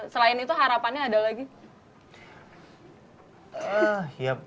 selain itu harapannya ada lagi